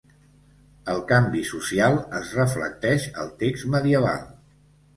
El canvi social es reflecteix al text medieval.